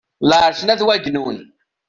Lɛerc n At wagennun.